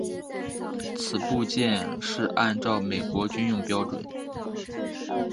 此部件是按照美国军用标准。